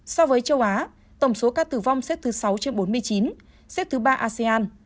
so với châu á tổng số ca tử vong xếp thứ sáu trên bốn mươi chín xếp thứ ba asean